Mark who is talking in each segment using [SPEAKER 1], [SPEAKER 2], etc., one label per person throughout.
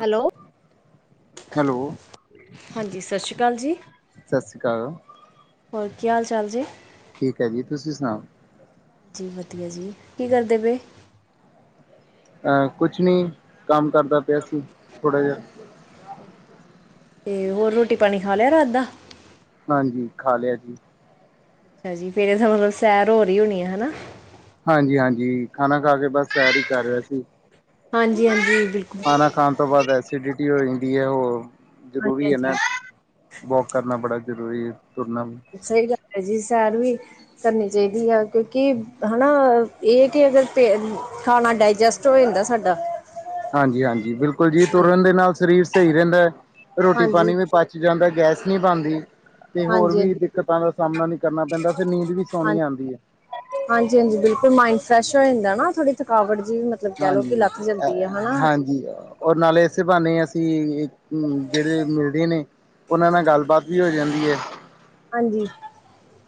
[SPEAKER 1] Hello.
[SPEAKER 2] Hello
[SPEAKER 1] ਹਾਂਜੀ ਸਤਿ ਸ੍ਰੀ ਅਕਾਲ ਜੀ।
[SPEAKER 2] ਸਤਿ ਸ਼੍ਰੀ ਅਕਾਲ
[SPEAKER 1] ਹੋਰ ਕੀ ਹਾਲ ਚਾਲ ਜੈ।
[SPEAKER 2] ਠੀਕ ਹੈ ਜੀ ਤੁਸੀਂ ਸੁਣਾਓ।
[SPEAKER 1] ਜੀ ਵਧੀਆ ਜੀ ਕੀ ਕਰਦੇ ਪਏ।
[SPEAKER 2] ਅ ਕੁਛ ਨਹੀਂ ਕੰਮ ਕਰਦਾ ਪਿਆ ਸੀ ਥੋੜ੍ਹਾ ਜਿਹਾ।
[SPEAKER 1] ਓਕੇ ਜੀ ਹੋਰ ਰੋਟੀ ਪਾਣੀ ਖਾ ਲਿਆ ਰਾਤ ਦਾ।
[SPEAKER 2] ਹਾਂਜੀ ਖਾ ਲਿਆ ਜੀ।
[SPEAKER 1] ਅੱਛਾ ਜੀ ਫੇਰ ਇਹ ਤਾਂ ਮਤਲਬ ਸੈਰ ਹੋ ਰਹੀਈ ਹੋਣੀ ਆ ਹਨਾ।
[SPEAKER 2] ਹਾਂਜੀ ਹਾਂਜੀ ਖਾਣਾ ਖਾ ਕੇ ਬਸ ਸਰ ਹੀ ਕਰ ਰਿਹਾ ਸੀ।
[SPEAKER 1] ਹਾਂਜੀ ਹਾਂਜੀ ਬਿਲਕੁਲ।
[SPEAKER 2] ਖਾਣਾ ਖਾਣ ਤੋਂ ਬਾਅਦ ਐਸੀਡਿਟੀ ਹੋ ਜਾਂਦੀ ਹੈ ਉਹ
[SPEAKER 1] ਹਾਂਜੀ
[SPEAKER 2] ਜ਼ਰੂਰੀ ਹੈ ਨਾ।
[SPEAKER 1] ਹਾਂਜੀ
[SPEAKER 2] ਵੋਕ ਕਰਨਾ ਬੜਾ ਜ਼ਰੂਰੀ ਹੈ ਤੁਰਨਾ ਵੀ।
[SPEAKER 1] ਸਹੀ ਗੱਲ ਹੈ ਜੀ ਸੈਰ ਵੀ ਕਰਨੀ ਚਾਹੀਦੀ ਆ ਕਿਉਂਕਿ ਹਨਾ। ਇਹ ਕਿ ਅਗਰ ਪ ਖਾਣਾ ਡਾਇਜੈਸਟ ਹੋ ਜਾਂਦਾ ਸਾਡਾ।
[SPEAKER 2] ਹਾਂਜੀ ਹਾਂਜੀ ਬਿਲਕੁਲ ਜੀ ਤੁਰਨ ਦੇ ਨਾਲ ਸਰੀਰ ਸਹੀ ਰਹਿੰਦਾ ਹੈ। ਰੋਟੀ ਪਾਣੀ
[SPEAKER 1] ਹਾਂਜੀ।
[SPEAKER 2] ਵੀ ਪਚ ਜਾਂਦਾ ਗੈਸ ਨਹੀਂ ਬਣਦੀ। ਤੇ ਹੋਰ
[SPEAKER 1] ਹਾਂਜੀ
[SPEAKER 2] ਵੀ
[SPEAKER 1] ਹਾਂਜੀ
[SPEAKER 2] ਦਿੱਕਤਾਂ ਦਾ ਸਾਹਮਣਾ ਨਹੀਂ ਕਰਨਾ ਪੈਂਦਾ ਫ਼ੇਰ ਨੀਂਦ ਵੀ
[SPEAKER 1] ਹਾਂ
[SPEAKER 2] ਸੋਹਣੀ ਆਉਂਦੀ ਹੈ।
[SPEAKER 1] ਹਾਂਜੀ ਹਾਂਜੀ ਬਿਲਕੁਲ ਮਾਇੰਡ ਫਰੈਸ਼ ਹੋ ਜਾਂਦਾ ਨਾ ਥੋੜੀ ਥਕਾਵਟ ਜੀ ਵੀ।
[SPEAKER 2] ਹਾਂਜੀ ਹਾਂਜੀ। ਔਰ ਨਾਲੇ ਇਸੇ ਬਹਾਨੇ ਅਸੀਂ ਜਿਹੜੇ ਮਿਲਦੇ ਨੇ। ਉਹਨਾਂ ਨਾਲ ਗੱਲਬਾਤ ਵੀ ਹੋ ਜਾਂਦੀ ਹੈ।
[SPEAKER 1] ਹਾਂਜੀ।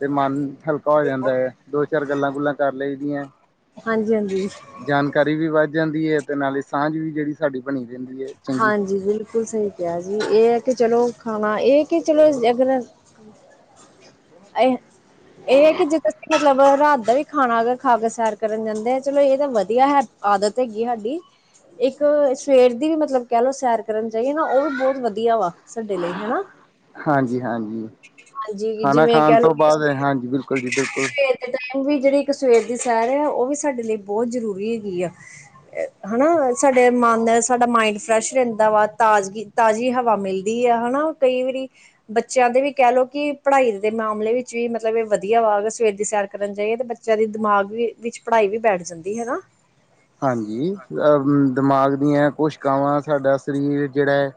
[SPEAKER 2] ਤੇ ਮਨ ਹਲਕਾ ਹੋ ਜਾਂਦਾ ਹੈ ਦੋ ਚਾਰ ਗੱਲਾਂ ਗੁੱਲਾਂ ਕਰ ਲਈਦੀਆਂ।
[SPEAKER 1] ਹਾਂਜੀ ਹਾਂਜੀ।
[SPEAKER 2] ਜਾਣਕਾਰੀ ਵੀ ਵੱਧ ਜਾਂਦੀ ਹੈ ਤੇ ਨਾਲੇ ਸਾਂਝ ਵੀ ਜਿਹੜੀ ਸਾਡੀ ਬਣੀ ਰਹਦੀ ਹੈ ਚੰਗੀ
[SPEAKER 1] ਹਾਂਜੀ ਬਿਲਕੁਲ ਸਹੀ ਕਿਹਾ ਜੀ ਇਹ ਹੈ ਕਿ ਚਲੋ ਖਾਣਾ ਇਹ ਕਿ ਚਲੋ ਰੈਗੂਲਰ। ਇਹ ਇਹ ਹੈ ਕਿ ਜੇ ਤੁਸੀਂ ਮਤਲਬ ਰਾਤ ਦਾ ਵੀ। ਖਾਣਾ ਅਗਰ ਖਾ ਕੇ ਸੈਰ ਕਰਨ ਜਾਂਦੇ ਆ ਚਲੋ ਇਹ ਤਾਂ ਵਧੀਆ ਹੈ ਆਦਤ ਹੈਗੀ ਸਾਡੀ। ਇੱਕ ਸਵੇਰ ਦੀ ਵੀ ਮਤਲਬ ਕਹਿ ਲਓ ਸੈਰ ਕਰਨ ਜਾਾਹੀਏ ਨਾ ਉਹ ਵੀ ਬਹੁਤ ਵਧੀਆ ਵਾ। ਸਾਡੇ ਲਈ ਹੈਨਾ
[SPEAKER 2] ਹਾਂਜੀ ਹਾਂਜੀ
[SPEAKER 1] ਹਾਂਜੀ।
[SPEAKER 2] ਖਾਣਾ
[SPEAKER 1] ਜਿਵੇਂ
[SPEAKER 2] ਖਾਣ ਤੋਂ ਬਾਅਦ ਹਾਂਜੀ ਬਿਲਕੁਲ ਜੀ ਬਿਲਕੁਲ।
[SPEAKER 1] ਏਕ ਟਾਈਮ ਵੀ ਜਿਹੜੀ ਇੱਕ ਸਵੇਰ ਦੀ ਸੈਰ ਆ ਉਹ ਵੀ ਸਾਡੇ ਲਈ ਬਹੁਤ ਜ਼ਰੂਰੀ ਹੈਗੀ ਆ। ਹਨਾ ਸਾਡੇ ਮਨ ਸਾਡਾ ਮਾਇੰਡ ਫਰੈਸ਼ ਰਹਿੰਦਾ ਵਾ ਤਾਜ਼ਗੀ। ਤਾਜ਼ੀ ਹਵਾ ਮਿਲਦੀ ਹੈ। ਹਨਾ ਕਈ ਵਾਰੀ ਬੱਚਿਆਂ ਦੇ ਵੀ ਕਹਿ ਲਓ ਕਿ ਪੜ੍ਹਾਈ। ਦੇ ਮਾਮਲੇ ਵਿੱਚ ਵੀ ਮਤਲਬ ਇਹ ਵਧੀਆ ਵਾ ਅਗਰ ਸਵੇਰ ਦੀ ਸੈਰ ਕਰਨ ਜਾਈਏ ਤੇ ਬੱਚਿਆਂ ਦੀ ਦਿਮਾਗ ਵੀ। ਵਿੱਚ ਪੜ੍ਹਾਈ ਵੀ ਬੈਠ ਜਾਂਦੀ ਹੈਨਾ।
[SPEAKER 2] ਹਾਂਜੀ ਦਿਮਾਗ ਦੀਆਂ ਕੁਸ਼ਿਕਵਾਂ ਸਾਡਾ ਸਰੀਰ ਜਿਹੜਾ ਹੈ।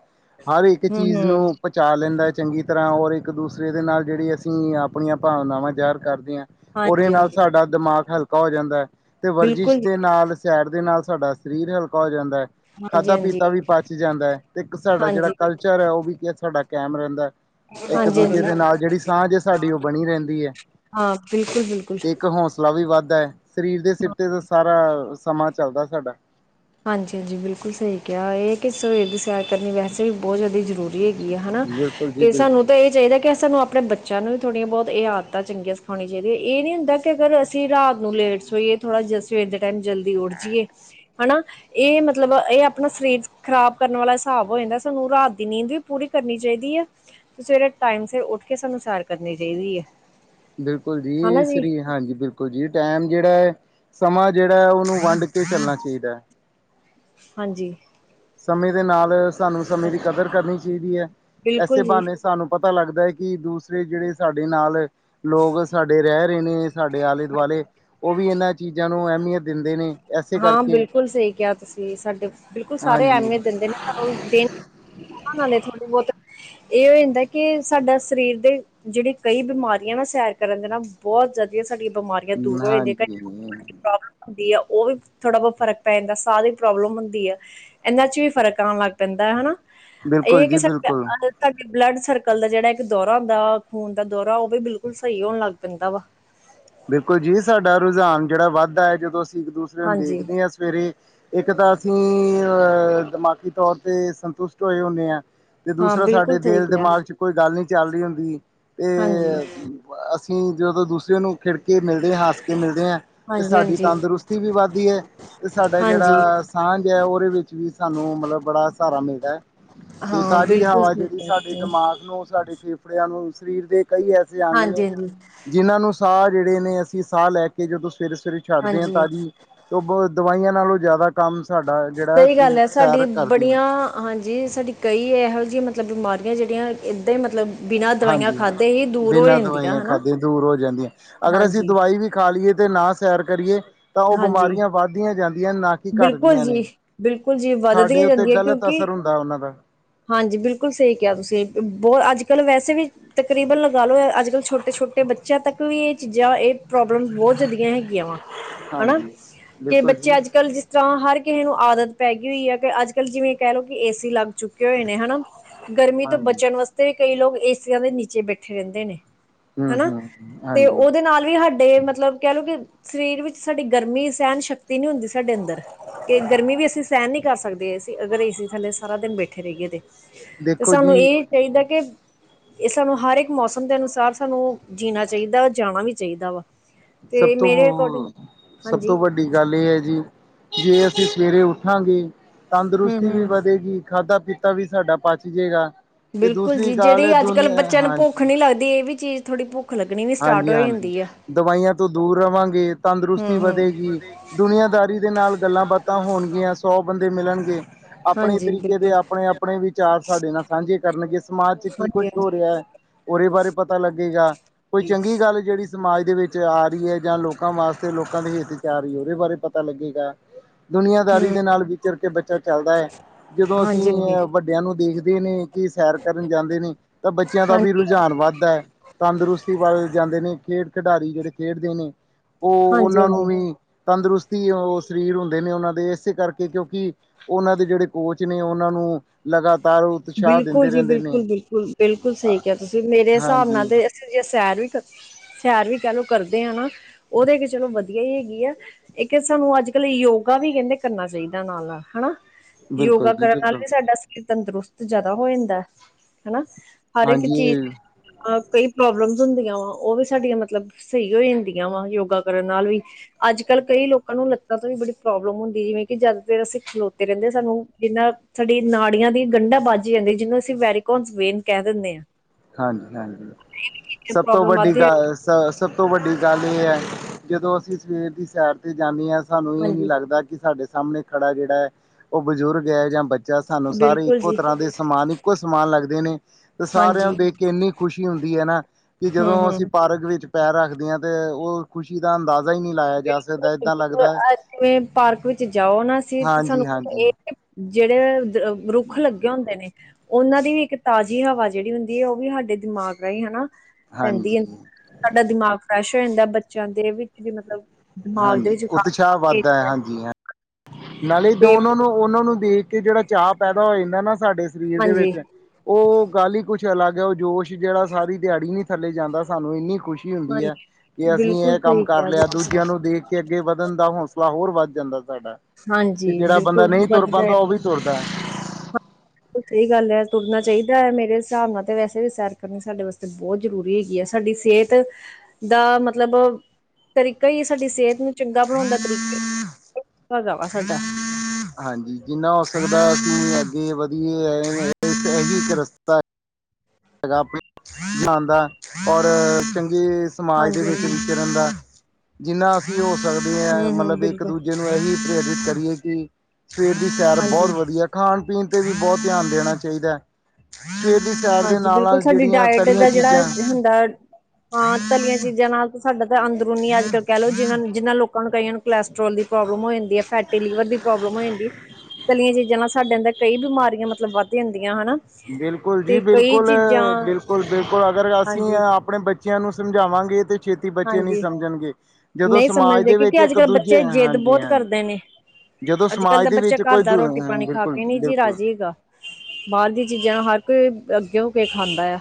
[SPEAKER 2] ਹਰ ਇੱਕ
[SPEAKER 1] ਹਮ
[SPEAKER 2] ਚੀਜ਼
[SPEAKER 1] ਹਮ।
[SPEAKER 2] ਨੂੰ। ਪਹੁੰਚਾ ਲੈਂਦਾ ਚੰਗੀ ਤਰ੍ਹਾਂ ਔਰ ਇੱਕ ਦੂਸਰੇ ਦੇ ਨਾਲ ਜਿਹੜੀ ਅਸੀਂ ਆਪਣੀਆਂ ਭਾਵਨਾਵਾਂ ਜ਼ਾਹਿਰ ਕਰਦੇ ਹਾਂ ਉਹਦੇ
[SPEAKER 1] ਹਾਂਜੀ
[SPEAKER 2] ਨਾਲ
[SPEAKER 1] ਹਾਂਜੀ
[SPEAKER 2] ਸਾਡਾ ਦਿਮਾਗ ਹਲਕਾ ਹੋ ਜਾਂਦਾ ਹੈ ਤੇ
[SPEAKER 1] ਬਿਲਕੁਲ
[SPEAKER 2] ਵਰਜਿਸ਼
[SPEAKER 1] ਜੀ
[SPEAKER 2] ਦੇ ਨਾਲ ਸੈਰ ਦੇ ਨਾਲ ਸਾਡਾ ਸਰੀਰ ਹਲਕਾ ਹੋ ਜਾਂਦਾ ਹੈ
[SPEAKER 1] ਹਾਂਜੀ
[SPEAKER 2] ਖਾਧਾ ਪੀਤਾ ਵੀ ਪਚ ਜਾਂਦਾ ਹੈ ਤੇ ਇੱਕ ਸਾਡਾ ਜਿਹੜਾ
[SPEAKER 1] ਹਾਂਜੀ ਹਾਂਜੀ।
[SPEAKER 2] ਕਲਚਰ ਹੈ ਉਹ ਵੀ ਸਾਡਾ ਕਾਇਮ ਰਹਿੰਦਾ ਇੱਕ
[SPEAKER 1] ਹਾਂਜੀ ਹਾਂਜੀ
[SPEAKER 2] ਦੂਜੇ ਦੇ ਨਾਲ ਜਿਹੜੀ ਸਾਂਝ ਹੈ ਸਾਡੀ ਉਹ ਬਣੀ ਰਹਿੰਦੀ ਹੈ
[SPEAKER 1] ਹਾਂ ਬਿਲਕੁਲ ਬਿਲਕੁਲ
[SPEAKER 2] ਫਲਾ ਵੀ ਵੱਧਦਾ ਹੈ ਸਰੀਰ ਦੇ ਸਿਰ ਤੇ ਤਾਂ ਸਾਰਾ ਸਮਾਂ ਚੱਲਦਾ ਸਾਡਾ
[SPEAKER 1] ਹਾਂਜੀ ਹਾਂਜੀ ਬਿਲਕੁਲ ਸਹੀ ਕਿਹਾ ਇਹ ਕਿ ਸਵੇਹਰ ਦੀ ਸੈਰ ਕਰਨੀ ਵੈਸੇ ਵੀ ਬਹੁਤ ਜ਼ਿਆਦਾ ਜ਼ਰੂਰੀ ਹੈ ਗੀ ਆ ਹਨਾ
[SPEAKER 2] ਬਿਲਕੁਲ ਜੀ
[SPEAKER 1] ਕਿ ਸਾਨੂੰ
[SPEAKER 2] ਬਿਲਕੁਲ
[SPEAKER 1] ਤਾਂ ਇਹ ਚਾਹੀਦਾ ਕਿ ਸਾਨੂੰ ਆਪਣੇ ਬੱਚਿਆਂ ਨੂੰ ਵੀ ਥੋੜ੍ਹੀਆਂ ਬਹੁਤ ਇਹ ਆਦਤਾਂ ਚੰਗੀਆਂ ਸਿਖਾਉਣਣੀ ਚਾਹੀਦੀਆਂ ਇਹ ਨਹੀਂ ਹੁੰਦਾ ਕਿ ਅਗਰ ਅਸੀਂ ਰਾਤ ਨੂੰ ਲੇਟ ਸੋਇਏ ਥੋੜ੍ਹਾ ਜਿਹਾ ਸਵੇਰ ਦੇ ਟਾਈਮ ਜਲਦੀ ਉੱਠ ਜਾਇਏ ਹਨਾ ਇਹ ਮਤਲਬ ਇਹ ਆਪਣਾ ਸਰੀਰ ਖ਼ਰਾਬ ਕਰਨ ਵਾਲਾ ਹਿਸਾਬ ਹੋ ਜਾਂਦਾ ਸਾਨੂੰ ਰਾਤ ਦੀ ਨੀਂਦ ਵੀ ਪੂਰੀ ਕਰਨੀ ਚਾਹੀਦੀ ਹੈ ਸਵੇਰੇ ਟਾਈਮ ਸਿਰ ਉੱਠ ਕੇ ਸਾਨੂੰ ਸੈਰ ਕਰਨੀ ਚਾਹੀਦੀ ਹੈ
[SPEAKER 2] ਬਿਲਕੁਲ ਜੀ ਸ਼ਰੀਰ ਹਾਂਜੀ ਬਿਲਕੁਲ ਦੇਖੋ ਜੀ ਟਾਈਮ ਜਿਹੜਾ ਹੈ ਸਮਾਂ ਜਿਹੜਾ ਹੈ ਉਹਨੂੰ ਵੰਡ ਕੇ ਚੱਲਣਾ ਚਾਹੀਦਾ ਹੈ
[SPEAKER 1] ਹਾਂਜੀ
[SPEAKER 2] ਸਮੇਂ ਦੇ ਨਾਲ ਸਾਨੂੰ ਸਮੇਂ ਦੀ
[SPEAKER 1] ਹਾਂਜੀ
[SPEAKER 2] ਕਦਰ ਕਰਨੀ ਚਾਹੀਦੀ ਹੈ
[SPEAKER 1] ਬਿਲਕੁਲ
[SPEAKER 2] ਏਸੇ
[SPEAKER 1] ਜੀ
[SPEAKER 2] ਬਹਾਨੇ ਸਾਨੂੰ ਪਤਾ ਲੱਗਦਾ ਹੈ ਕਿ ਦੂਸਰੇ ਜਿਹੜੇ ਸਾਡੇ ਨਾਲ ਲੋਕ ਸਾਡੇ ਰਹਿ ਰਹੇ ਨੇ ਸਾਡੇ ਆਲੇ ਦੁਆਲੇ ਉਹ ਵੀ ਇਹਨਾਂ ਚੀਜ਼ਾਂ ਨੂੰ ਅਹਿਮੀਅਤ ਦਿੰਦੇ ਨੇ ਇਸੇ
[SPEAKER 1] ਹਾਂ
[SPEAKER 2] ਕਰਕੇ
[SPEAKER 1] ਬਿਲਕੁਲ ਸਹੀ ਕਿਹਾ ਤੁਸੀਂ ਸਾਡੇ ਬਿਲਕੁਲ ਸਾਰੇ
[SPEAKER 2] ਹਾਂਜੀ
[SPEAKER 1] ਅਹਿਮੀਅਤ ਦਿੰਦੇ ਨੇ ਹਰ ਰੋਜ਼ ਦੇਣ ਉਹ ਨਾਲੇ ਥੋੜੀ ਬਹੁਤ ਇਹ ਹੋ ਜਾਂਦਾ ਕਿ ਸਾਡਾ ਸਰੀਰ ਦੇ ਜਿਹੜੀ ਕਈ ਬਿਮਾਰੀਆਂ ਨਾ ਸੈਰ ਕਰਨ ਦੇ ਨਾਲ ਬਹੁਤ ਜ਼ਿਆਦੀਆ ਸਾਡੀਆਂ ਬਿਮਾਰੀਆਂ ਦੂਰ ਇਨਜੈ
[SPEAKER 2] ਹਾਂਜੀ
[SPEAKER 1] ਘਟਦੀਆ ਪ੍ਰੌਬਲਮ ਹੁੰਦੀ ਹੈ ਉਹ ਵੀ ਥੋੜਾ ਬਹੁਤ ਫਰਕ ਪੈ ਜਾਂਦਾ ਸਾਹ ਦੀ ਪ੍ਰੋਬਲਮ ਹੁੰਦੀ ਹੈ ਇਹਨਾਂ ਚ ਵੀ ਫ਼ਰਕ ਆਉਣ ਲੱਗ ਪੈਂਦਾ ਹਨਾ ਇਹ
[SPEAKER 2] ਬਿਲਕੁਲ
[SPEAKER 1] ਹੈ ਕਿ
[SPEAKER 2] ਜੀ
[SPEAKER 1] ਸਾਡੇ
[SPEAKER 2] ਬਿਲਕੁਲ
[SPEAKER 1] ਆਦਤ ਸਾਡੇ ਬਲੱਡ ਸਰਕਲ ਦਾ ਜਿਹੜਾ ਇੱਕ ਦੌਰਾ ਹੁੰਦਾ ਖੂਨ ਦਾ ਦੌਰਾ ਉਹ ਵੀ ਬਿਲਕੁਲ ਸਹੀ ਹੋਣ ਲੱਗ ਪੈਂਦਾ ਵਾ
[SPEAKER 2] ਬਿਲਕੁਲ ਜੀ ਸਾਡਾ ਰੁਝਾਨ ਜਿਹੜਾ ਵੱਧਦਾ ਹੈ ਜਦੋਂ ਅਸੀਂ ਇੱਕ ਦੂਸਰੇ ਨੂੰ
[SPEAKER 1] ਹਾਂਜੀ
[SPEAKER 2] ਦੇਖਦੇ ਹਾਂ ਸਵੇਰੇ ਇੱਕ ਤਾਂ ਅਸੀਂ ਦਿਮਾਗੀ ਤੌਰ 'ਤੇ ਸੰਤੁਸ਼ਟ ਹੋਏ ਹੁੰਦੇ ਹਾਂ ਤੇ
[SPEAKER 1] ਹਾਂ
[SPEAKER 2] ਦੂਸਰਾ ਸਾਡੇ
[SPEAKER 1] ਬਿਲਕੁਲ ਸਹੀ
[SPEAKER 2] ਦਿਲ
[SPEAKER 1] ਕਿਹਾ
[SPEAKER 2] ਦਿਮਾਗ ਚ ਕੋਈ ਗੱਲ ਨਹੀਂ ਚੱਲ ਰਹੀ ਹੁੰਦੀ ਅਤੇ
[SPEAKER 1] ਹਾਂਜੀ
[SPEAKER 2] ਅਸੀਂ ਜਦੋਂ ਦੂਸਰੇ ਨੂੰ ਖਿੜ ਕੇ ਮਿਲਦੇ ਹ ਹੱਸ ਕੇ ਮਿਲਦੇ ਹਾਂ ਅਤੇ
[SPEAKER 1] ਹਾਂਜੀ,
[SPEAKER 2] ਸਾਡੀ
[SPEAKER 1] ਹਾਂਜੀ,
[SPEAKER 2] ਤੰਦਰੁਸਤੀ ਵੀ ਵੱਧਦੀ ਹੈ ਅਤੇ ਸਾਡਾ
[SPEAKER 1] ਹਾਂਜੀ
[SPEAKER 2] ਜਿਹੜਾ ਸਾਂਝ ਹੈ ਉਹਦੇ ਵਿੱਚ ਵਿੱਚ ਵੀ ਸਾਨੂੰ ਮਤਲਬ ਬੜਾ ਸਹਾਰਾ ਮਿਲਦਾ ਤੇ
[SPEAKER 1] ਹਾਂ
[SPEAKER 2] ਤਾਜ਼ੀ
[SPEAKER 1] ਬਿਲਕੁਲ
[SPEAKER 2] ਹਵਾ
[SPEAKER 1] ਸਹੀ
[SPEAKER 2] ਜਿਹੜੀ
[SPEAKER 1] ਕਿਹਾ
[SPEAKER 2] ਸਾਡੇ
[SPEAKER 1] ਤੁਸੀਂ
[SPEAKER 2] ਦਿਮਾਗ ਨੂੰ ਸਾਡੇ ਫੇਫੜਿਆਂ ਨੂੰ ਸਰੀਰ ਦੇ ਕਈ ਐ ਸੇ ਅੰਗ
[SPEAKER 1] ਹਾਂਜੀ,
[SPEAKER 2] ਨੇ
[SPEAKER 1] ਹਾਂਜੀ,
[SPEAKER 2] ਜਿਨਾਂ ਨੂੰ ਸਾਹ ਜਿਹੜੇ ਨੇ ਅਸੀਂ ਸਾਹ ਲੈ ਕੇ ਜਦੋਂ ਸਵੇਰੇ ਸਵੇਰੇ ਛੱਡਦੇ ਹਾਂ
[SPEAKER 1] ਹਾਂਜੀ
[SPEAKER 2] ਤਾ ਜੀ ਓਹ ਬੋਤ ਦਵਾਈਆਂ ਨਾਲੋਂ ਜ਼ਿਆਦਾ ਕੰਮ ਸਾਡਾ ਜਿਹੜਾ
[SPEAKER 1] ਸਹੀ ਗੱਲ ਹੈ ਸਾਡੀ
[SPEAKER 2] ਸੈਰ ਕਰਦੀਆਂ
[SPEAKER 1] ਬੜੀਆਂ ਹਾਂਜੀ ਸਾਡੀ ਕਈ ਇਹੋ ਜਿਹੀਆਂ ਮਤਲਬ ਬਿਮਾਰੀਆਂ ਜਿਹੜੀਆਂ ਇੱਦਾਂ ਹੀ ਮਤਲਬ ਬਿਨਾਂ ਦਵਾਈਆਂ
[SPEAKER 2] ਹਾਂਜੀ ਹਾਂ
[SPEAKER 1] ਖਾਧੇ ਹੀ ਦੂਰ ਹੋ
[SPEAKER 2] ਬਿਨਾਂ
[SPEAKER 1] ਜਾਂਦੀਆਂ
[SPEAKER 2] ਦਵਾਈਆਂ
[SPEAKER 1] ਹਨਾ
[SPEAKER 2] ਖਾਧੇ ਦੂਰ ਹੋ ਜਾਂਦੀਆਂ ਅਗਰ ਅਸੀਂ
[SPEAKER 1] ਹਾਂਜੀ,
[SPEAKER 2] ਦਵਾਈ ਵੀ ਖਾ ਲਈਏ ਤੇ ਨਾ ਸੈਰ ਕਰੀਏ ਤਾਂ ਉਹ
[SPEAKER 1] ਹਾਂਜੀ
[SPEAKER 2] ਬਿਮਾਰੀਆਂ ਵੱਧਦੀਆਂ ਜਾਂਦੀਆਂ ਨਾ ਕਿ
[SPEAKER 1] ਬਿਲਕੁਲ
[SPEAKER 2] ਘੱਟਦੀਆਂ
[SPEAKER 1] ਜੀ
[SPEAKER 2] ਨੇ
[SPEAKER 1] ਬਿਲਕੁਲ ਜੀ
[SPEAKER 2] ਸਾਡੇ
[SPEAKER 1] ਵਦਦੀਆਂ
[SPEAKER 2] ਉੱਤੇ
[SPEAKER 1] ਜਾਂਦੀ ਹੈ
[SPEAKER 2] ਗ਼ਲਤ
[SPEAKER 1] ਕਿਉਂਕਿ
[SPEAKER 2] ਅਸਰ ਹੁੰਦਾ ਉਹਨਾਂ ਦਾ
[SPEAKER 1] ਹਾਂਜੀ ਬਿਲਕੁਲ ਸਹੀ ਕਿਹਾ ਤੁਸੀਂ ਬਹੁਤ ਅੱਜ ਕੱਲ ਵੈਸੇ ਵੀ ਤਕਰੀਬਨ ਲਗਾ ਲਓ ਅੱਜ ਕੱਲ੍ਹ ਛੋਟੇ ਛੋਟੇ ਬੱਚਿਆਂ ਤੱਕ ਵੀ ਇਹ ਚੀਜ਼ਾਂ ਇਹ ਪ੍ਰੋਬਲਮ ਬਹੁਤ ਜ਼ਿਆਦੀਆ ਹੈਗੀਆਂ ਵਾ ਹਨਾ
[SPEAKER 2] ਹਾਂਜੀ
[SPEAKER 1] ਤੇ
[SPEAKER 2] ਬਿਲਕੁਲ
[SPEAKER 1] ਬੱਚੇ
[SPEAKER 2] ਜੀ
[SPEAKER 1] ਅੱਜ ਕ ਅੱਜ ਕੱਲ ਜਿਸ ਤਰ੍ਹਾਂ ਹਰ ਕਿਸੇ ਨੂੰ ਆਦਤ ਪੈ ਗਈ ਹੋਈ ਹੈ ਕਿ ਅੱਜ ਕੱਲ੍ਹ ਜਿਵੇਂ ਕਹਿ ਲਓ ਕਿ ਏ ਸੀ ਲੱਗ ਚੁੱਕੇ ਹੋਏ ਨੇ ਹਨਾ ਗਰਮੀ ਤੋਂ
[SPEAKER 2] ਹਾਂਜੀ
[SPEAKER 1] ਬਚਣ ਵਾਸਤੇ ਵੀ ਕਈ ਲੋਕ ਏਸੀਆਂ ਦੇ ਨੀਚੇ ਬੈਠੇ ਰਹਿੰਦੇ ਨੇ
[SPEAKER 2] ਹੂੰ
[SPEAKER 1] ਹਨਾ
[SPEAKER 2] ਹੂੰ
[SPEAKER 1] ਤੇ
[SPEAKER 2] ਹਾਂਜੀ
[SPEAKER 1] ਉਹਦੇ ਨਾਲ ਵੀ ਸਾਡੇ ਸਾਡੇ ਮਤਲਬ ਕਹਿ ਲਓ ਕਿ ਸਰੀਰ ਵਿੱਚ ਸਾਡੀ ਗਰਮੀ ਸਹਿਣ ਸ਼ਕਤੀ ਨਹੀਂੀ ਹੁੰਦੀ ਸਾਡੇ ਅੰਦਰ ਤੇ ਗਰਮੀ ਵੀ ਅਸੀਂ ਸਹਿਣ ਨਹੀਂੀ ਕਰ ਸਕਦੇ ਅਸੀ ਅਗਰ ਸੀ ਥੱਲੇ ਸਾਰਾ ਦਿਨ ਬੈਠੇ ਰਹੀਏ ਤੇ ਤੇ
[SPEAKER 2] ਦੇਖੋ
[SPEAKER 1] ਸਾਨੂੰ
[SPEAKER 2] ਜੀ
[SPEAKER 1] ਇਹ ਚਾਹੀਦਾ ਕਿ ਇਹ ਸਾਨੂੰ ਹਰ ਇੱਕ ਮੌਸਮ ਦੇ ਅਨੁਸਾਰ ਸਾਨੂੰ ਜੀਣਾ ਚਾਹੀਦਾ ਵ ਜਾਣਾ ਵੀ ਚਾਹੀਦਾ ਵਾ ਤੇ ਮੇਰੇ ਅਕੋਰਡਿੰਗ ਹਾਂਜੀ
[SPEAKER 2] ਬੀ ਗੱਲ ਇਹ ਹੈ ਜੀ ਜੇ ਅਸੀਂ ਸਵੇਰੇ ਉੱਠਾਂਗੇ
[SPEAKER 1] ਹੂੰ
[SPEAKER 2] ਤੰਦਰੁਸਤੀ
[SPEAKER 1] ਹੂੰ
[SPEAKER 2] ਵੀ ਵਧੇਗੀ, ਖਾਧਾ ਪੀਤਾ ਵੀ ਸਾਡਾ ਬਚ ਜੇਗਾ। ਤੇ
[SPEAKER 1] ਬਿਲਕੁਲ
[SPEAKER 2] ਦੂਸਰੀ
[SPEAKER 1] ਜੀ,
[SPEAKER 2] ਗੱਲ
[SPEAKER 1] ਜਿਹੜੀ ਅੱਜ-ਕੱਲ੍ਹ
[SPEAKER 2] ਦੁਨੀਆਂ
[SPEAKER 1] ਬੱਚਿਆਂ ਨੂੰ ਭੁੱਖ
[SPEAKER 2] ਹਾਂਜੀ
[SPEAKER 1] ਨਹੀਂ ਲੱਗਦੀ, ਇਹ ਵੀ ਚੀਜ਼ ਥੋੜ੍ਹੀ ਭੁੱਖ ਲੱਗਣੀ ਵੀ ਸਟਾਰਟ ਹੋ
[SPEAKER 2] ਹਾਂਜੀ-ਹਾਂਜੀ,
[SPEAKER 1] ਜਾਂਦੀ ਆ
[SPEAKER 2] ਦਵਾਈਆਂ ਤੋਂ ਦੂਰ ਰਵਾਂਗੇ। ਤੰਦਰੁਸਤੀ
[SPEAKER 1] ਹੂੰ ਹੂੰ
[SPEAKER 2] ਵਧੇਗੀ, ਦੁਨੀਆਂਦਾਰੀ ਦੇ ਨਾਲ ਗੱਲਾਂ ਬਾਤਾਂ ਹੋਣਗੀਆਂ, ਸੌ ਬੰਦੇ ਮਿਲਣਗੇ। ਆਪਣੇ
[SPEAKER 1] ਹਾਂਜੀ
[SPEAKER 2] ਤਰੀਕੇ ਦੇ
[SPEAKER 1] ਬਿਲਕੁਲ
[SPEAKER 2] ਆਪਣੇ-ਆਪਣੇ ਵਿਚਾਰ ਸਾਡੇ ਨਾਲ ਸਾਂਝੇ ਕਰਨਗੇ, ਸਮਾਜ ਚ ਕੀ
[SPEAKER 1] ਹਾਂਜੀ
[SPEAKER 2] ਕੁਛ ਹੋ ਰਿਹਾ
[SPEAKER 1] ਹਾਂਜੀ
[SPEAKER 2] ਹੈ। ਉਹਦੇ ਬਾਰੇ ਪਤਾ ਲੱਗੇਗਾ, ਕੋਈ ਚੰਗੀ ਗੱਲ ਗੱਲ ਜਿਹੜੀ ਸਮਾਜ ਦੇ ਵਿੱਚ ਆ ਰਹੀ ਹੈ, ਜਾਂ ਲੋਕਾਂ ਵਾਸਤੇ ਲੋਕਾਂ ਦੇ ਹਿੱਤ ਚ ਆ ਰਹੀ ਹੈ, ਉਹਦੇ ਬਾਰੇ ਪਤਾ ਲੱਗੇਗਾ।
[SPEAKER 1] ਹੂੰ
[SPEAKER 2] ਦੁਨੀਆਂਦਾਰੀ ਦੇ ਨਾਲ ਵਿਚਰ ਕੇ ਬੱਚਾ ਚੱਲਦਾ ਹੈ, ਜਦੋਂ
[SPEAKER 1] ਹਾਂਜੀ
[SPEAKER 2] ਅਸੀਂ
[SPEAKER 1] ਹਾਂਜੀ
[SPEAKER 2] ਵੱਡੇ ਡ ਨੂੰ ਦੇਖਦੇ ਨੇ, ਕਿ ਸੈਰ ਕਰਨ ਜਾਂਦੇ ਨੇ ਤਾਂ ਬੱਚਿਆਂ ਦਾ ਵੀ
[SPEAKER 1] ਹਾਂਜੀ
[SPEAKER 2] ਰੁਝਾਨ ਵੱਧਦਾ ਹੈ, ਤੰਦਰੁਸਤ ਵੱਲ ਜਾਂਦੇ ਨੇ ਖੇਡ ਖਿਡਾਰੀ ਜਿਹੜੇ ਖੇਡਦੇ ਨੇ ਉਹ
[SPEAKER 1] ਹਾਂਜੀ
[SPEAKER 2] ਉਹਨਾਂ ਨੂੰ
[SPEAKER 1] ਹਾਂਜੀ
[SPEAKER 2] ਵੀ, ਤੰਦਰੁਸਤੀ ਉਹ ਸਰੀਰ ਹੁੰਦੇ ਨੇ, ਉਹਨਾਂ ਦੇ ਇਸੇ ਕਰਕੇ ਕਿਉਂਕਿ ਉਹਨਾਂ ਦੇ ਜਿਹੜੇ ਕੋਚ ਨੇ ਉਹਨਾਂ ਨੂੰ ਲਗਾਤਾਰ, ਉਤਸ਼ਾਹ
[SPEAKER 1] ਬਿਲਕੁਲ
[SPEAKER 2] ਦਿੰਦੇ
[SPEAKER 1] ਜੀ
[SPEAKER 2] ਰਹਿੰਦੇ ਨੇ।
[SPEAKER 1] ਬਿਲਕੁਲ, ਬਿਲਕੁਲ-ਬਿਲਕੁਲ, ਸਹੀ ਕਿਹਾ ਤੁਸੀਂ ਮੇਰੇ ਹਿਸਾਬ ਨਾਲ
[SPEAKER 2] ਹਾਂਜੀ
[SPEAKER 1] ਤੇ ਜ ਸੈਰ ਵੀ ਸੈਰ ਵੀ ਕਹਿਲੋ ਕਰਦੇ, ਆ ਨਾ ਉਹ ਤਾਂ ਇੱਕ ਚਲੋ, ਵਧੀਆ ਹੀ ਹੈਗੀ ਆ। ਇੱਕ ਸਾਨੂੰ ਅੱਜ-ਕੱਲ੍ਹ ਯੋਗਾ ਵੀ ਕਹਿੰਦੇ ਕਰਨਾ ਚਾਹੀਦਾ, ਨਾਲ-ਨਾਲ ਹੈ ਨਾ
[SPEAKER 2] ਬਿਲਕੁਲ
[SPEAKER 1] ਯੋਗਾ
[SPEAKER 2] ਜੀ
[SPEAKER 1] ਕਰਨ ਨਾਲ
[SPEAKER 2] ਬਿਲਕੁਲ
[SPEAKER 1] ਵੀ ਸਾਡਾ ਤੇ ਤੰਦਰੁਸਤ ਜਿਆਦਾ ਹੋ ਜਾਂਦਾ ਹਨਾ, ਹਰ ਇੱਕ
[SPEAKER 2] ਹਾਂਜੀ
[SPEAKER 1] ਚੀਜ਼ ਅ ਕਈ ਪ੍ਰੋਬਲਮਸ ਹੁੰਦੀਆਂ, ਵਾ ਉਹ ਵੀ ਸਾਡੀਆਂ ਮਤਲਬ ਸਹੀ ਹੋ ਜਾਂਦੀਆਂ ਵਾ, ਯੋਗਾ ਕਰਨ ਨਾਲ ਵੀ ਅੱਜ-ਕੱਲ੍ਹ ਕਈ ਲੋਕਾਂ ਨੂੰ ਲੱਤਾਂ ਤੋਂ ਵੀ ਬੜੀ ਪ੍ਰੋਬਲਮ ਹੁੰਦੀ, ਜਿਵੇਂ ਕਿ ਜ਼ਿਆਦਾਤਰਰ ਅਸੀਂ ਖਲੋਤੇ ਰਹਿੰਦੇ, ਸਾਨੂੰ ਜਿੰਨਾ ਸਾਡੀ ਨਾੜੀਆਂ ਦੀ ਗੰਢਾਂ ਬਾਜੀ ਜਾਂਦੀ ਆ, ਜਿਹਨੂੰ ਅਸੀਂ ਵੈਰੀਕੋਨਸ ਵੇਨ ਕਹਿ ਦਿੰਦੇ ਹਾਂ।
[SPEAKER 2] ਹਾਂਜੀ-ਹਾਂਜੀ ਸਭ ਤੋਂ
[SPEAKER 1] ਪ੍ਰੋਬਲਮ
[SPEAKER 2] ਵੱਡੀ
[SPEAKER 1] ਵੱਧਦੀ ਹੈ।
[SPEAKER 2] ਗੱਲ, ਸ ਸਭ ਤੋਂ ਵੱਡੀ ਗੱਲ ਇਹ ਹੈ, ਜਦੋਂ ਅਸੀਂ ਸਵੇਰ ਦੀ ਸੈਰ ਜਾਂਦੀ ਐ, ਸਾਨੂੰ ਇਹ ਨੀ
[SPEAKER 1] ਹਾਂਜੀ
[SPEAKER 2] ਲੱਗਦਾ ਕਿ, ਸਾਡੇ ਸਾਹਮਣੇ ਖੜਾ ਜਿਹੜਾ ਹੈ, ਉਹ ਬਜ਼ੁਰਗ ਹੈ ਜਾਂ ਬੱਚ ਸਾਨੂੰ ਸਾਰੇ
[SPEAKER 1] ਬਿਲਕੁਲ
[SPEAKER 2] ਇੱਕੋ
[SPEAKER 1] ਜੀ
[SPEAKER 2] ਤਰ੍ਹਾਂ ਦੇ ਸਮਾਨ ਇੱਕੋ ਸਮਾਨ ਲੱਗਦੇ ਨੇ ਤੇ ਸਾਰਿਆਂ
[SPEAKER 1] ਹਾਂਜੀ
[SPEAKER 2] ਕਿ ਇੰਨੀ ਖੁਸ਼ੀ ਹੁੰਦੀ ਹੈ ਨਾ, ਕਿ
[SPEAKER 1] ਹੂੰ
[SPEAKER 2] ਜਦੋਂ
[SPEAKER 1] ਹੂੰ
[SPEAKER 2] ਅਸੀਂ ਪਾਰਕ ਵਿੱਚ ਪੈਰ ਰੱਖਦੇ ਹਾਂ ਤੇ ਉਹ ਖੁਸ਼ੀ ਦਾ ਅੰਦਾਜ਼ਾ ਹੀ ਨਹੀਂ ਲਾਇਆ ਜਾ ਸਕਦਾ, ਏਦਾਂ
[SPEAKER 1] ਬਿਲਕੁਲ
[SPEAKER 2] ਲੱਗਦਾ ਹੈ।
[SPEAKER 1] ਅੱਜ ਜਿਵੇਂ ਪਾਰਕ ਵਿੱਚ ਜਾਓ ਨਾ ਅਸੀਂ ਸਾਨੂੰ
[SPEAKER 2] ਹਾਂਜੀ ਹਾਂਜੀ
[SPEAKER 1] ਇਹ ਜਿਹੜੇ ਰੁੱਖ ਲੱਗੇ ਹੁੰਦੇ ਨੇ, ਉਹਨਾਂ ਦੀ ਵੀ ਇੱਕ ਤਾਜ਼ੀ ਹਵਾ ਜਿਹੜੀ ਹੁੰਦੀ ਹੈ, ਉਹ ਵੀ ਸਾਡੇ ਦਿਮਾਗ ਰਾਹੀਂ ਹਨਾ। ਰੈਂਦੀ ਹੈ,
[SPEAKER 2] ਹਾਂਜੀ
[SPEAKER 1] ਸਾਡਾ ਦਿਮਾਗ ਫਰੈਸ਼ ਹੋ ਜਾਂਦਾ ਬੱਚਿਆਂ ਦੇ ਵਿੱਚ ਵੀ ਮਤਲਬ ਦਿਮਾਗ ਦੇ
[SPEAKER 2] ਹਾਂਜੀ
[SPEAKER 1] ਵਿੱਚ
[SPEAKER 2] ਉਤਸ਼ਾਹ
[SPEAKER 1] ਕਾਫੀ
[SPEAKER 2] ਵੱਧਦਾ ਹੈ, ਹਾਂਜੀ ਹਾਂ ਨਾਲੇ
[SPEAKER 1] ਤੇ
[SPEAKER 2] ਉਹਨਾਂ ਨੂੰ ਉਹਨਾਂ ਨੂੰ ਦੇਖ। ਕਿ ਜਿਹੜਾ ਚਾਹ ਪੈਦਾ ਹੋ ਜਾਂਦਾ ਨਾ, ਸਾਡੇ ਸਰੀਰ ਦੇ
[SPEAKER 1] ਹਾਂਜੀ
[SPEAKER 2] ਵਿੱਚ ਉਹ ਗੱਲ ਹੀ ਕੁੱਛ ਅਲੱਗ ਹੈ, ਉਹ ਜੋਸ਼ ਜਿਹੜਾ ਸਾਰੀ ਦਿਹਾੜੀ ਨੀ ਥੱਲੇ ਜਾਂਦਾ, ਸਾਨੂੰ ਇੰਨੀ ਕੁਛ ਹੁੰਦੀ
[SPEAKER 1] ਹਾਂਜੀ
[SPEAKER 2] ਹੈ, ਕਿ ਅਸੀਂ
[SPEAKER 1] ਬਿਲਕੁਲ
[SPEAKER 2] ਇਹ ਕੰਮ
[SPEAKER 1] ਸਹੀ
[SPEAKER 2] ਕਰ
[SPEAKER 1] ਕਿਹਾ ਜੀ
[SPEAKER 2] ਲਿਆ ਦੂਜੇ
[SPEAKER 1] ਤੁਸੀਂ
[SPEAKER 2] ਦੇਖ ਕੇ ਅੱਗੇ ਵਧਣ ਦਾ ਹੌਸਲਾ ਹੋਰ ਵੱਧ ਜਾਂਦਾ ਸਾਡਾ, ਤੇ
[SPEAKER 1] ਹਾਂਜੀ
[SPEAKER 2] ਜਿਹੜਾ ਬੰਦਾ
[SPEAKER 1] ਬਿਲਕੁਲ
[SPEAKER 2] ਨਹੀਂ ਤੁਰ
[SPEAKER 1] ਵੱਧਦਾ
[SPEAKER 2] ਪਾਉਂਦਾ ਉਹ ਵੀ। ਤਰਦਾ ਹੈ
[SPEAKER 1] ਸਹੀ ਗੱਲ ਹੈ ਤੁਰਨਾ ਚਾਹੀਦਾ ਹੈ, ਮੇਰੇ ਹਿਸਾਬ ਨਾਲ ਤੇ ਵੈਸੇ ਵੀ ਸੈਰ ਕਰਨੀ ਸਾਡੇ ਵਾਸਤੇ ਬਹੁਤ ਜ਼ਰੂਰੀ ਹੈਗੀ ਹੈ। ਸਾਡੀ ਸਿਹਤ ਦਾ ਮਤਲਬ ਤਰੀਕਾ ਹੀ ਹੈ, ਸਾਡੀ ਸਿਹਤ ਨੂੰ ਚੰਗਾ ਬਣਾਉਣ ਦਾ, ਤਰੀਕ ਵਾ ਸਾਡਾ
[SPEAKER 2] ਹਾਂਜੀ ਜਿੰਨਾ ਹੋ ਸਕਦਾ, ਅਸੀਂ ਅੱਗੇ ਵਧੀਏ ਹੈ। ਇਹੀ ਇੱਕ ਰਸਤਾ ਹੈ। ਜਗਾ ਆਪ ਬਣਾਉਣ, ਦਾ ਔਰ ਚੰਗੀ ਸਮਾਜ ਦੇ
[SPEAKER 1] ਹਾਂਜੀ
[SPEAKER 2] ਵਿੱਚ
[SPEAKER 1] ਹਾਂਜੀ
[SPEAKER 2] ਵਿਚਰਨ ਦਾ ਜਿੰਨਾ ਅਸੀਂ ਹੋ ਸਕਦੇ ਹਾਂ,
[SPEAKER 1] ਹਮ ਹਮ
[SPEAKER 2] ਮਤਲਬ ਇੱਕ
[SPEAKER 1] ਬਿਲਕੁਲ
[SPEAKER 2] ਦੂਜੇ ਇਹੀ ਪ੍ਰੇਰਿਤ ਕਰੀਏ, ਕਿ ਸਵੇਰ ਦੀ ਸੈਰ ਬਹੁਤ
[SPEAKER 1] ਹਾਂਜੀ
[SPEAKER 2] ਵਧੀਆ ਖਾਣ ਪੀਣ ਤੇ ਵੀ ਬਹੁਤ ਧਿਆਨ ਦੇਣਾ ਚਾਹੀਦਾ ਹੈ। ਕਿ
[SPEAKER 1] ਹਾਂਜੀ, ਬਿਲਕੁਲ ਸਾਡੀ ਡਾਇਟ ਦਾ ਜਿਹੜਾ ਹੁੰਦਾ। ਹਾਂ ਤਲੀਆਂ ਚੀਜ਼ਾਂ ਨਾਲ ਤਾਂ ਸਾਡਾ ਤਾਂ ਅੰਦਰੂਨੀ ਅੱਜ-ਕੱਲ ਕਹਿ ਲਓ, ਜਿਹ ਜਿਨਾਂ ਲੋਕ ਕਈਆਂ ਕੋਲੈਸਟ੍ਰੋਲ ਦੀ ਪ੍ਰੋਬਲਮ ਹੋ ਜਾਂਦੀ ਹੈ ਫੈਟੀ ਲੀਵਰ ਦੀ ਪ੍ਰੋਬਲਮ ਹੋ ਜਾਂਦੀ ਐ। ਗਲੀਆਂ ਚੀਜ਼ਾਂ ਨਾਲ ਸਾਡੇ ਅੰਦਰ ਕਈ ਬਿਮਾਰੀਆਂ ਮਤਲਬ ਵੱਧ ਜਾਂਦੀਆਂ ਹਨਾ।
[SPEAKER 2] ਬਿਲਕੁਲ ਜੀ।
[SPEAKER 1] ਤੇ ਕਈ
[SPEAKER 2] ਬਿਲਕੁਲ
[SPEAKER 1] ਚੀਜ਼ਾਂ
[SPEAKER 2] -ਬਿਲਕੁਲ- ਬਿਲਕੁਲ ਅਗਰ ਅਸੀਂ
[SPEAKER 1] ਹਾਂਜੀ
[SPEAKER 2] ਆਪਣੇ ਬੱਚੇ ਬੱਚਿਆਂ ਨੂੰ ਸਮਝਾਵਾਂਗੇ ਤੇ ਛੇਤੀ ਬੱਚੇ ਨਹੀਂ
[SPEAKER 1] ਹਾਂਜੀ
[SPEAKER 2] ਸਮਝਣਗੇ। ਜਦੋਂ
[SPEAKER 1] ਨਹੀਂ
[SPEAKER 2] ਸਮਾਜ
[SPEAKER 1] ਸਮਝਦੇ
[SPEAKER 2] ਦੇ ਵਿੱਚ
[SPEAKER 1] ਕਿਉਂਕਿ ਅੱਜ
[SPEAKER 2] ਇੱਕ
[SPEAKER 1] ਕੱਲ੍ਹ
[SPEAKER 2] ਦੂਜੇ
[SPEAKER 1] ਬੱਚੇ ਜਿੱਦ
[SPEAKER 2] ਹਾਂਜੀ-
[SPEAKER 1] ਬਹੁਤ
[SPEAKER 2] ਹਾਂਜੀ।
[SPEAKER 1] ਕਰਦੇ ਨੇ
[SPEAKER 2] ਜਦੋਂ
[SPEAKER 1] ਅੱਜ ਕੱਲ੍ਹ
[SPEAKER 2] ਸਮਾਜ
[SPEAKER 1] ਦਾ
[SPEAKER 2] ਦੇ
[SPEAKER 1] ਬੱਚਾ
[SPEAKER 2] ਵਿੱਚ
[SPEAKER 1] ਘਰ
[SPEAKER 2] ਕੋਈ
[SPEAKER 1] ਦਾ
[SPEAKER 2] ਦ
[SPEAKER 1] ਰੋਟੀ ਪਾਣੀ ਖਾ
[SPEAKER 2] ਬਿਲਕੁਲ-
[SPEAKER 1] ਕੇ ਨਹੀਂ ਜੀ
[SPEAKER 2] ਬਿਲਕੁਲ।
[SPEAKER 1] ਰਾਜੀ ਹੈਗਾ ਬਾਹਰ ਦੀ ਚੀਜ਼ਾਂ ਨਾਲ ਹਰ ਕੋਈ ਅੱਗੇ ਹੋ ਕੇ ਖਾਂਦਾ ਆ।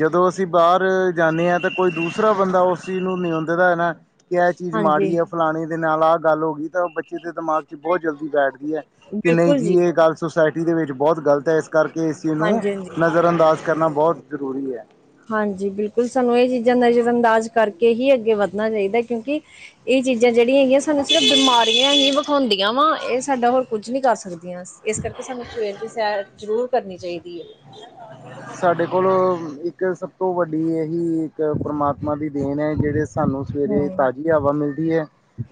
[SPEAKER 2] ਜਦੋਂ ਅਸੀਂ ਬਾਹਰ ਜਾਂਦੇ ਹਾਂ ਤਾਂ ਕੋਈ ਦੂਸਰਾ ਬੰਦਾ ਉਸ ਚੀਜ਼ ਨੂੰ ਨਉਦਦਾ ਹੈ ਨਾ। ਕਿ ਇਹ ਚੀਜ਼
[SPEAKER 1] ਹਾਂਜੀ
[SPEAKER 2] ਮਾੜੀ ਹੈ ਫਲਾਣੇ ਦੇ ਨਾਲ ਆਹ ਗੱਲ ਹੋ ਗਈ ਤਾਂ ਬੱਚੇ ਦੇ ਦਿਮਾਗ ਚ' ਬਹੁਤ ਜਲਦੀ ਬੈਠਦੀ। ਕਿ ਨਹੀਂ ਜੀ ਇਹ ਗੱਲ ਸੁਸਾਇਟੀ ਦੇ ਵਿੱਚ ਬਹੁਤ ਗਲਤ ਹੈ। ਇਸ ਕਰਕੇ ਇਸ ਚੀਜ਼ ਨੂੰ
[SPEAKER 1] ਹਾਂਜੀ ਹਾਂਜੀ
[SPEAKER 2] ਨਜ਼ਰ ਅੰਦਾਜ਼ ਕਰਨਾ ਬਹੁਤ ਜ਼ਰੂਰੀ ਹੈ।
[SPEAKER 1] ਹਾਂਜੀ ਬਿਲਕੁਲ ਸਾਨੂੰ ਇਹ ਚੀਜ਼ਾਂ ਨਜ਼ਰਅੰਦਾਜ਼ ਕਰਕੇ ਹੀ ਅੱਗੇ ਵੱਧਣਾ ਚਾਹੀਦਾ ਕਿਉਂਕਿ ਇਹ ਚੀਜ਼ਾਂ ਜਿਹੜੀਆਂ ਹੈਗੀਆਂ ਸਾਨੂੰ ਸਿਰਫ਼ ਬਿਮਾਰੀਆਂ ਹੀ ਵਿਖਾਉਂਦੀਆਂ ਵਾ ਇਹ ਸਾਡਾ ਹੋਰ ਕੁੱਝ ਨਹੀਂ ਕਰ ਸਕਦੀਆਂ। ਇਸ ਕਰਕੇ ਸਾਨੂੰ ਸਵੇਰ ਦੀ ਸੇਰ ਜ਼ਰੂਰ ਕਰਨੀ ਚਾਹੀਦੀ ਹੈ।
[SPEAKER 2] ਸਾਡੇ ਕੋਲ ਇੱਕ ਸਭ ਤੋਂ ਵੱਡੀ ਇਹੀ ਇੱਕ ਪਰਮਾਤਮਾ ਦੀ ਦੇਣ ਹੈ ਜਿਹੜੇ ਸਾਨੂੰ ਸਵੇਰੇ
[SPEAKER 1] ਹਮ
[SPEAKER 2] ਤਾਜ਼ੀ ਹਵਾ ਮਿਲਦੀ ਹੈ।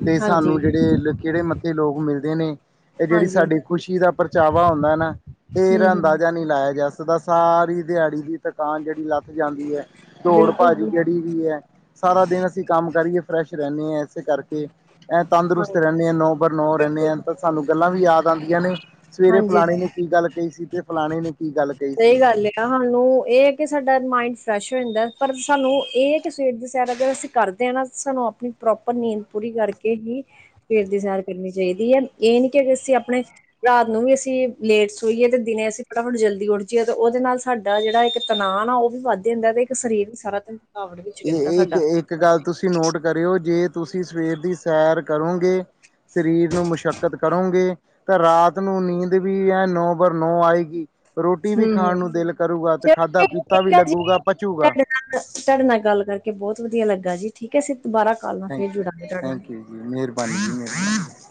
[SPEAKER 2] ਤੇ
[SPEAKER 1] ਹਾਂਜੀ,
[SPEAKER 2] ਸਾਨੂੰ ਜਿਹੜੇ ਕਿਹੜੇ ਲੋਕ ਮਿਲਦੇ ਨੇ। ਇਹ ਜਿਹੜੀ
[SPEAKER 1] ਹਾਂਜੀ,
[SPEAKER 2] ਸਾਡੀ ਖੁਸ਼ੀ ਦਾ ਪਰਚਾਵਾ ਹੁੰਦਾ ਨਾ। ਇਹਦਾ
[SPEAKER 1] ਹੂੰ-ਹੂੰ,
[SPEAKER 2] ਅੰਦਾਜ਼ਾ ਨਹੀਂ ਲਾਇਆ। ਜਸ ਦਾ ਸਾਰੀ ਦਿਹਾੜੀ ਦੀ ਥਕਾਨ ਜਿਹੜੀ ਲੱਥ ਜਾਂਦੀ ਹੈ। ਦੋੜ
[SPEAKER 1] ਬਿਲਕੁਲ
[SPEAKER 2] ਭੱਜ
[SPEAKER 1] ਜੀ।
[SPEAKER 2] ਜਿਹੜੀ ਵੀ ਹੈ। ਸਾਰਾ ਦਿਨ ਅਸੀਂ ਕੰਮ ਕਰੀਏ ਫਰੈਸ਼ ਰਹਿੰਦੇ ਹਾਂ ਇਸੇ ਕਰਕੇ। ਐ ਤੰਦਰੁਸਤ
[SPEAKER 1] ਹਾਂਜੀ,
[SPEAKER 2] ਰਹਿੰਦੇ ਆ। ਨੌ ਬਰ ਨੋ ਰਹਿੰਦੇ
[SPEAKER 1] ਬਿਲਕੁਲ,
[SPEAKER 2] ਆ ਤਾਂ ਸਾਨੂੰ ਗੱਲਾਂ ਵੀ ਯਾਦ ਆਉਂਦੀਆਂ ਨੇ। ਸਵੇਰੇ ਫਲਾਣੇ
[SPEAKER 1] ਹਾਂਜੀ-ਹਾਂਜੀ।
[SPEAKER 2] ਨੇ ਕੀ ਗੱਲ ਕਹੀ ਸੀ ਤੇ ਫਲਾਣੇ ਨੇ। ਕੀ ਗੱਲ ਕਹੀ ਸੀ
[SPEAKER 1] ਸਹੀ ਗੱਲ ਆ ਸਾਨੂੰ ਇਹ ਹੈ ਕਿ ਸਾਡਾ ਮਾਇੰਡ ਫਰੈਸ਼ ਹੋ ਜਾਂਦਾ। ਪਰ ਸਾਨੂੰ ਇਹ ਹੈ ਕਿ ਸਵੇਰ ਦੀ ਸੈਰ ਅਗਰ ਅਸੀਂ ਕਰਦੇ ਹਾਂ ਨਾ ਸਾਨੂੰ ਆਪਣੀ ਪ੍ਰੋਪਰ ਨੀਂਦ ਪੂਰੀ ਕਰਕੇ ਹੀ ਫਿਰ ਦੀ ਸੈਰ ਕਰਨੀ ਚਾਹੀਦੀ ਹੈ। ਇਹ ਨੀ ਕਿ ਅਸੀਂ ਆਪਣੇ ਰਾਤ ਨੂੰ ਵੀ ਅਸੀਂ ਲੇਟ ਸਈਏ ਤੇ ਦਿਨੇ ਅਸੀਂ ਫਟਾਫਟ ਜਲਦੀ ਉੱਠ ਜ ਉਹਦੇ ਨਾਲ ਸਾਡਾ ਜਿਹੜਾ ਇੱਕ ਤਣਾਨ ਆ ਉਹ ਵੀ ਵੱਧਦੇ ਹੁੰਦਾ ਤੇ ਇੱਕ ਸਰੀਰ ਵੀ ਸਾਰਾ ਧੰ
[SPEAKER 2] ਇਹ ਇੱਕ, ਇੱਕ ਗੱਲ ਤੁਸੀਂ ਨੋਟ ਕਰਿਓ ਜੇ ਤੁਸੀਂ ਸਵੇਰ ਦੀ ਸੈਰ ਕਰੋਗੇ। ਸਰੀਰ ਨੂੰ ਮੁਸ਼ੱਕਤ ਕਰੋਂਗੇ। ਤਾਂ ਰਾਤ ਨੂੰ ਨੀਂਦ ਵੀ ਐ ਨੌ ਬਾਰ ਨੌ ਆਏਗੀ। ਰੋਟੀ ਵੀ
[SPEAKER 1] ਹੂੰ-ਹੂੰ।
[SPEAKER 2] ਖਾਣ ਨੂੰ ਦਿਲ ਕਰੂਗਾ ਤੇ ਖਾਧਾ-
[SPEAKER 1] ਚਲੋ
[SPEAKER 2] ਪੀਤਾ ਵੀ
[SPEAKER 1] ਠੀਕ ਆ ਜੀ।
[SPEAKER 2] ਲੱਗੂਗਾ, ਪਚੂਗਾ।
[SPEAKER 1] ਤੁਹਾਡੇ ਤੁਹਾਡੇ ਨਾਲ ਗੱਲ ਕਰਕੇ ਬਹੁਤ ਵਧੀਆ ਲੱਗਾ ਜੀ ਠੀਕ ਹੈ ਸਿਰ ਦੁਾਰਾ ਕਾਲ ਨਾਲ
[SPEAKER 2] ਥੈਂਕ
[SPEAKER 1] ਫੇਰ
[SPEAKER 2] ਯੂ
[SPEAKER 1] ਜੁੜਾਂਗੇ ਤੁਹਾਡੇ ਨਾਲ।
[SPEAKER 2] ਥੈਂਕ ਯੂ ਮਿਹਰਬਾਨੀ ਜੀ ਮੇਹਾਨੀ।